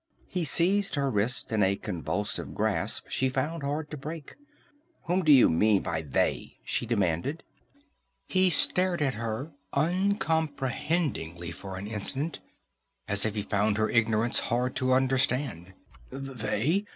He seized her wrist in a convulsive grasp she found hard to break. "Whom do you mean by 'they'?" she demanded. He stared at her uncomprehendingly for an instant, as if he found her ignorance hard to understand. "They?"